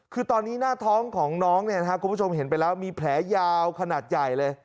คือตอนนี้หน้าท้องของน้องเนี่ยนะครับคุณผู้ชมเห็นไปแล้วมีแผลยาวขนาดใหญ่เลย